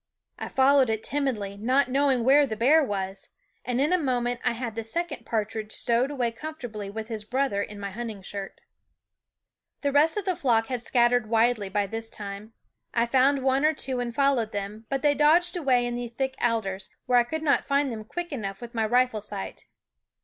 I followed it timidly, not knowing where the bear was, and in a moment I had the second partridge stowed away comfortably with his brother in my hunting shirt. The rest of the flock had scattered widely by this time. I found one or two and fol lowed them ; but they dodged away into the thick alders, where I could not find them quick enough with my rifle sight.